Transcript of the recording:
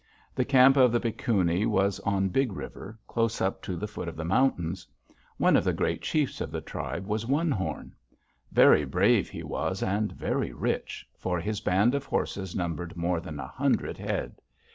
The camp of the Pikun´i was on Big River, close up to the foot of the mountains. One of the great chiefs of the tribe was One Horn. Very brave he was, and very rich, for his band of horses numbered more than a hundred head.